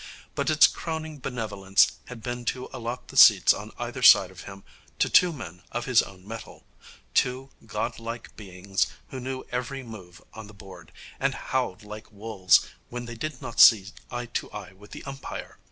But its crowning benevolence had been to allot the seats on either side of him to two men of his own mettle, two god like beings who knew every move on the board, and howled like wolves when they did not see eye to eye with the umpire.